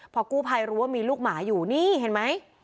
พอกู้ภัยรู้ว่ามีลูกหมาอยู่นี่เห็นไหม